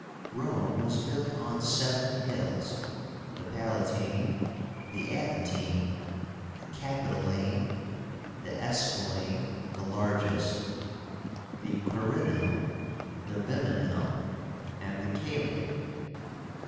Rome was built on seven hills, the Palatine, the Aventine, the Capitoline, the Esquiline (the largest), the Quirínal, the Viminal, and the Coelian.